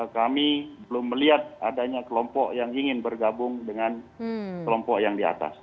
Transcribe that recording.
kami belum melihat adanya kelompok yang ingin bergabung dengan kelompok yang di atas